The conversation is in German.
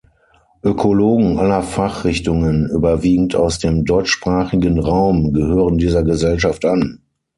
Ökologen aller Fachrichtungen, überwiegend aus dem deutschsprachigen Raum, gehören dieser Gesellschaft an.